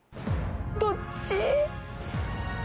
どっち？